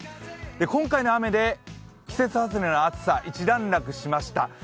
今回の雨で季節外れの暑さ、一段落しました。